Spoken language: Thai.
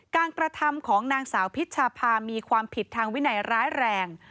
กระทำของนางสาวพิชชาพามีความผิดทางวินัยร้ายแรง